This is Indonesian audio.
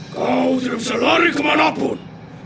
kau tidak bisa lari kemanapun